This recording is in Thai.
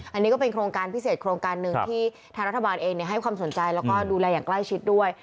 อันนี้ก็เป็นโครงการพิเศษโครงการหนึ่งที่ทางรัฐบาลเองให้ความสนใจแล้วก็ดูแลอย่างใกล้ชิดด้วย